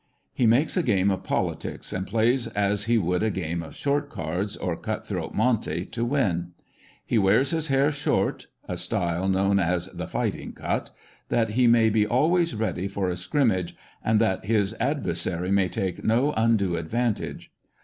He makes a game of politics, and plays as he would a game of short cards or cut throat monte to win. He wears his hair short — a style known as the ' fighting cut' — that he may be al ways ready for a scrim mage,, and that his adver sary may take no undue advantage.